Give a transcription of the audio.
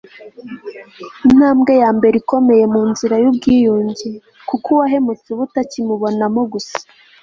intambwe ya mbere ikomeye mu nzira y'ubwiyunge, kuko uwahemutse uba utakimubonamo gusa